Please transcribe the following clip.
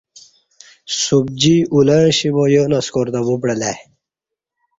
سُبجی اولں اشی با یو نسکار تں وُپعلہ ای